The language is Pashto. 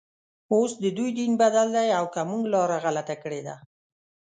اوس ددوی دین بدل دی او که موږ لاره غلطه کړې ده.